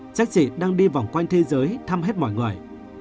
chắc chị đang đi vòng quanh thế giới thăm hết mọi người